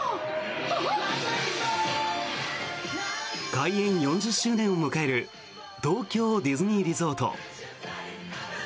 開園４０周年を迎える東京ディズニーリゾート。